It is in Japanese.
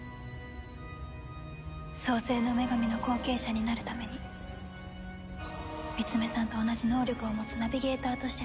創世の女神の後継者になるためにミツメさんと同じ能力を持つナビゲーターとしてつくられた。